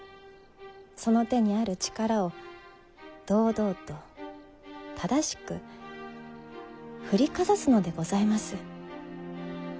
その手にある力を堂々と正しく振りかざすのでございます。